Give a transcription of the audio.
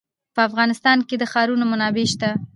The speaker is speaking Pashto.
په افغانستان کې د ښارونه منابع شته.